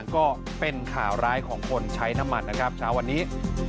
ก็เป็นข่าวร้ายของคนใช้น้ำมันนะครับเช้าวันนี้